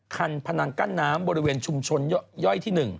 พนังกั้นน้ำบริเวณชุมชนย่อยที่๑